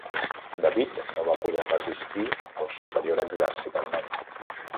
David no va poder resistir al superior exèrcit armeni.